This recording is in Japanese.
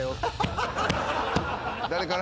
誰から？